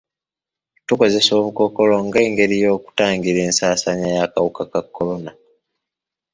Tukozesa obukookolo nga engeri y'okutangira ensaasaanya y'akawuka ka kolona.